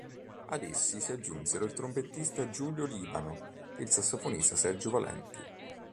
Ad essi si aggiunsero il trombettista Giulio Libano e il sassofonista Sergio Valenti.